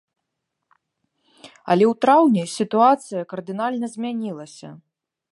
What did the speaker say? Але ў траўні сітуацыя кардынальна змянілася.